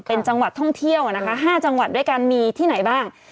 เป็นจังหวัดท่องเที่ยวนะคะ๕จังหวัดด้วยกันมีที่ไหนบ้าง